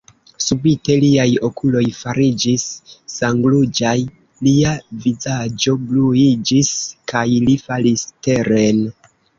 Subite liaj okuloj fariĝis sangruĝaj, lia vizaĝo bluiĝis, kaj li falis teren.